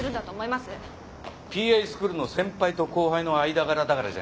ＰＩスクールの先輩と後輩の間柄だからじゃないか？